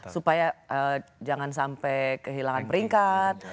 supaya jangan sampai kehilangan peringkat